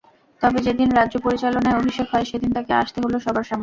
তবে যেদিন রাজ্য পরিচালনায় অভিষেক হয়, সেদিন তাকে আসতে হলো সবার সামনে।